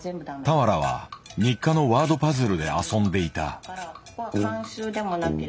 俵は日課のワードパズルで遊んでいた。